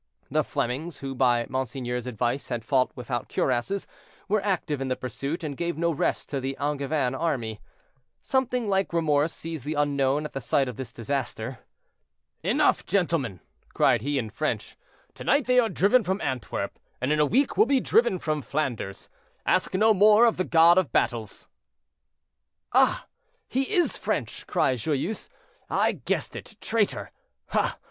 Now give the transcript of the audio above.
The Flemings, who by monseigneur's advice had fought without cuirasses, were active in the pursuit, and gave no rest to the Angevin army. Something like remorse seized the unknown at the sight of this disaster. "Enough, gentlemen," cried he, in French, "to night they are driven from Antwerp, and in a week will be driven from Flanders; ask no more of the God of battles." "Ah! he is French," cried Joyeuse; "I guessed it, traitor. Ah!